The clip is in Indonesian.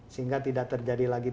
sehingga tidak terjadi lagi